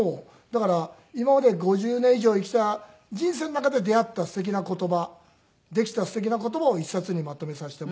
だから今まで５０年以上生きた人生の中で出会ったすてきな言葉できたすてきな言葉を一冊にまとめさせてもらって。